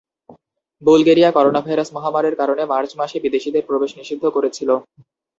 Bulgaria coronavirus মহামারীর কারণে March মাসে বিদেশীদের প্রবেশ নিষিদ্ধ করেছিল।